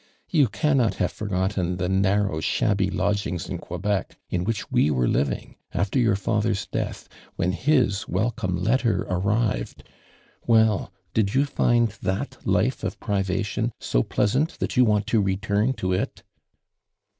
You cannot have forgotten the narrow, shabby lodgings in Quebec, in which we were living, after your father* <l<>ath, when his welconin letter arrived. Well, ilid you find that life of privatiotx so pleasant that you want to return to it?"